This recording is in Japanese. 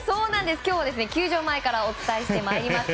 今日は球場前からお伝えしてまいります。